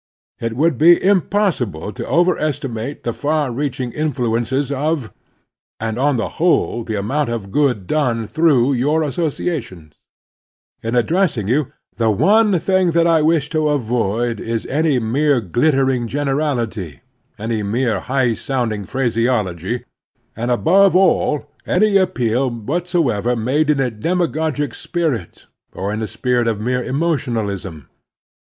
It would be impossible to overestimate the far reaching influences of, and, on the whole, the amount of good done through yotu* associa tions. In addressing you, the one thing that I wish to avoid is any mere glittering generality, any mere high sounding phraseology, and, above all, any appeal whatsoever made in a demagogic spirit, or in a spirit of mere emotionalism.